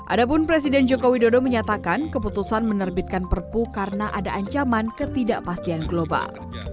adapun presiden joko widodo menyatakan keputusan menerbitkan perpu karena ada ancaman ketidakpastian global